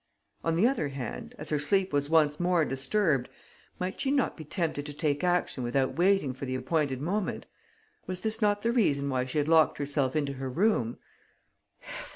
On the other hand, as her sleep was once more disturbed, might she not be tempted to take action without waiting for the appointed moment? Was this not the reason why she had locked herself into her room?